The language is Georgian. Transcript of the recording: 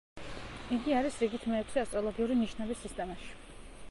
იგი არის რიგით მეექვსე ასტროლოგიური ნიშნების სისტემაში.